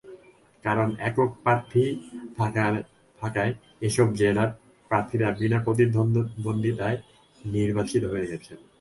কারণ, একক প্রার্থী থাকায় এসব জেলার প্রার্থীরা বিনা প্রতিদ্বন্দ্বিতায় নির্বাচিত হয়ে গেছেন।